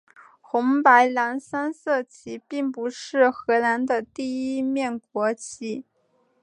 红白蓝三色旗并不是荷兰的第一面国旗。